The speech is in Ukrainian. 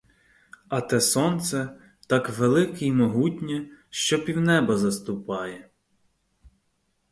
А те сонце так велике й могутнє, що півнеба заступає.